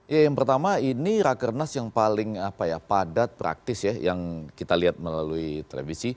ya yang pertama ini rakernas yang paling padat praktis ya yang kita lihat melalui televisi